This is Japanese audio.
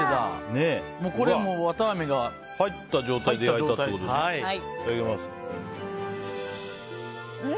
これもう、わたあめが入った状態ですね。